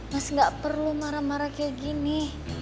mas gak perlu marah marah kayak gini